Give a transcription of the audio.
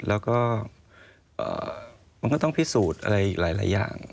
แล้วก็มันก็ต้องพิสูจน์อะไรหลายอย่าง